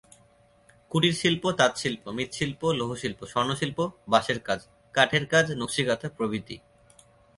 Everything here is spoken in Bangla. কুটিরশিল্প তাঁতশিল্প, মৃৎশিল্প, লৌহশিল্প, স্বর্ণশিল্প, বাঁশের কাজ, কাঠের কাজ, নকশি কাঁথা প্রভৃতি।